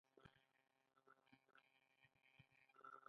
دوی مساله دار خواړه خوښوي.